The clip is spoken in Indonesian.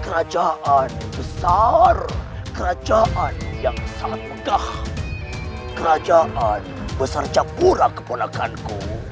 kerajaan besar capura keponakan ku